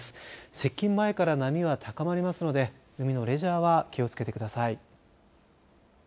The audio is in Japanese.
接近前から波は高まりますので海のレジャーは気をつけてください。